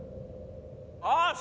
よし！